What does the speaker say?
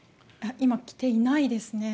今、来ていないですね。